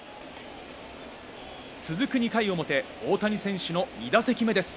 続く２回表、大谷選手の２打席目です。